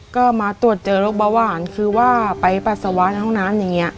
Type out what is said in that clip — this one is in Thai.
ก็มาตรวจเจอโรคเบาหวานคือว่าไปปัสสาวะในห้องน้ำอย่างนี้